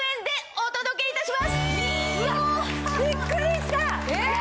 びっくりした！